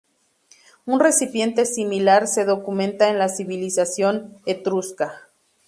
Un recipiente similar se documenta en la civilización etrusca.